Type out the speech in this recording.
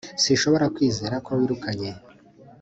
Sinshobora kwizera ko wirukanye